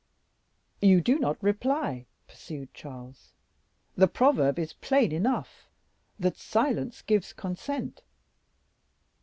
"You do not reply," pursued Charles; "the proverb is plain enough, that 'silence gives consent.